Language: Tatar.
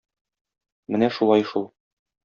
Менә шулай шул.